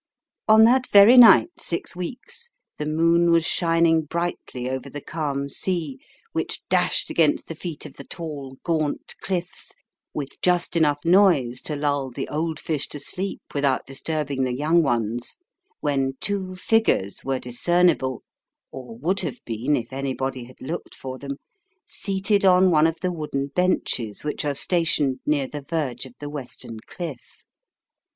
On that very night six weeks, the moon was shining brightly over the calm sea, which dashed against the feet of the tall gaunt cliffs, with just enough noise to lull the old fish to sleep, without disturbing the young ones, when two figures were discernible or would have been, if anybody had looked for them seated on one of the wooden benches which are stationed near the verge of the western cliff.